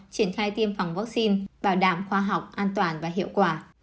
triển khai tiêm phòng vaccine bảo đảm khoa học an toàn và hiệu quả